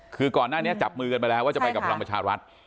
คือก่อนหน้านี้จับมือกันไปแล้วว่าจะไปกับพลังประชารัฐ